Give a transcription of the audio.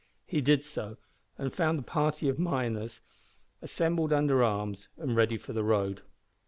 He did so, and found the party of miners assembled under arms, and ready for the road.